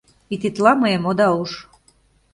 И тетла мыйым ода уж.